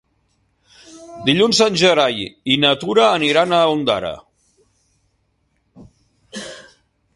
Dilluns en Gerai i na Tura aniran a Ondara.